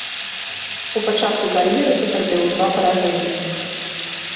У пачатку кар'еры пацярпеў два паражэнні.